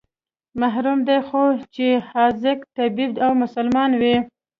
محرم دى خو چې حاذق طبيب او مسلمان وي.